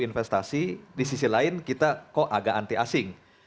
investasi di sisi lain kita kok agak anti asing